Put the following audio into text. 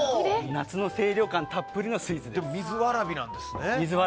夏の清涼感たっぷりのでも水わらびなんですね。